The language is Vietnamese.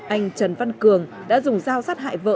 anh trần văn cường đã dùng dao sát hại vợ